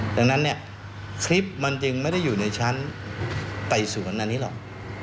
ดังนั้นเนี่ยคลิปมันจึงไม่ได้อยู่ในชั้นไต่สวนอันนี้หรอก